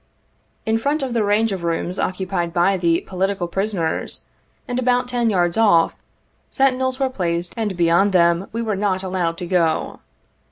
In front of the range of rooms occupied by the ""politi cal prisoners," and about ten yards off, sentinels were placed, and beyond them we were not allowed to go.